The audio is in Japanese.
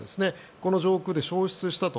この上空で消失したと。